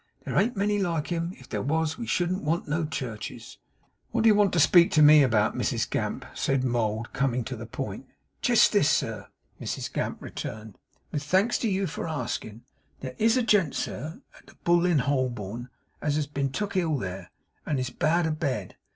There an't a many like him. If there was, we shouldn't want no churches.' 'What do you want to speak to me about, Mrs Gamp?' said Mould, coming to the point. 'Jest this, sir,' Mrs Gamp returned, 'with thanks to you for asking. There IS a gent, sir, at the Bull in Holborn, as has been took ill there, and is bad abed.